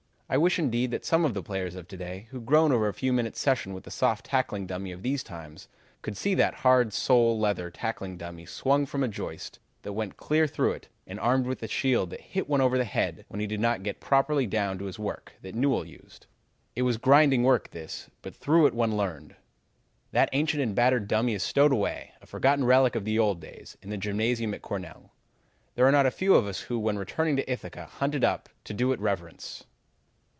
I wish, indeed, that some of the players of to day who groan over a few minutes' session with the soft tackling dummy of these times could see that hard, sole leather tackling dummy swung from a joist that went clear through it and armed with a shield that hit one over the head when he did not get properly down to his work, that Newell used. "It was grinding work this, but through it one learned. "That ancient and battered dummy is stowed away, a forgotten relic of the old days, in the gymnasium at Cornell. There are not a few of us who, when returning to Ithaca, hunt it up to do it reverence.